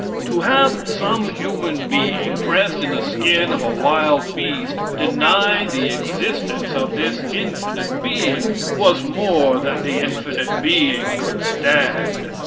To have some human being, dressed in the skin of a wild beast, deny the existence of this infinite being, was more than the infinite being could stand.